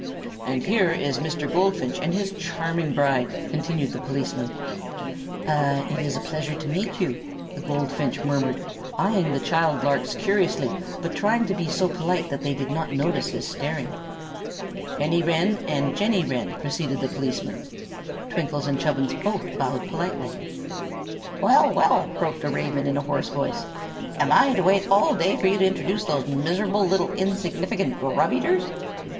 "And here is Mr. Goldfinch and his charming bride," continued the policeman. "Ah, it is a pleasure to meet you," the goldfinch murmured, eyeing the child larks curiously, but trying to be so polite that they would not notice his staring. "Henny Wren and Jenny Wren," proceeded the policeman. Twinkle and Chubbins both bowed politely. "Well, well!" croaked a raven, in a hoarse voice, "am I to wait all day while you introduce those miserable little insignificant grub eaters?"